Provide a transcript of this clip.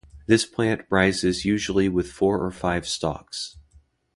This plant rises usually with four or five stalks